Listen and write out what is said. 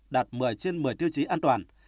đạt một mươi trên một mươi tiêu chí an toàn